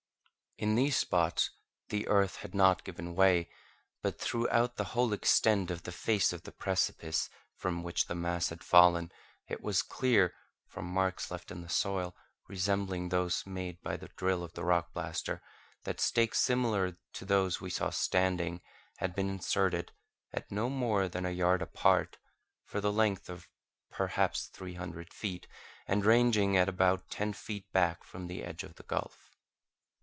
In these spots the earth had not given way, but throughout the whole extent of the face of the precipice from which the mass had fallen, it was clear, from marks left in the soil resembling those made by the drill of the rock blaster, that stakes similar to those we saw standing had been inserted, at not more than a yard apart, for the length of perhaps three hundred feet, and ranging at about ten feet back from the edge of the gulf.